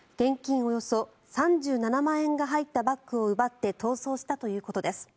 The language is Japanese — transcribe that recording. およそ３７万円が入ったバッグを奪って逃走したということです。